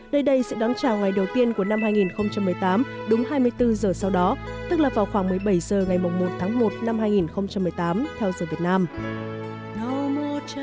nơi đây sẽ đón chào ngày đầu tiên của năm hai nghìn một mươi tám đúng hai mươi bốn giờ sau đó tức là vào khoảng một mươi bảy h ngày một tháng một năm hai nghìn một mươi tám theo giờ việt nam